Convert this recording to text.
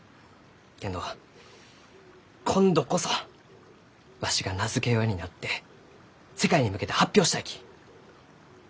けんど今度こそわしが名付け親になって世界に向けて発表したいき。